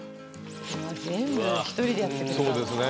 うわ全部１人でやってくれたんだ